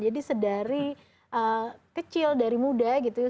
jadi sedari kecil dari muda gitu